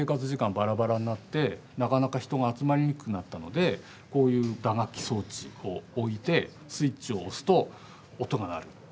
ばらばらになってなかなか人が集まりにくくなったのでこういう打楽器装置を置いてスイッチを押すと音が鳴るっていう。